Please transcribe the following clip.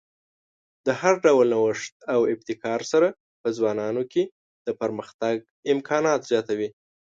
د هر ډول نوښت او ابتکار سره په ځوانانو کې د پرمختګ امکانات زیاتوي.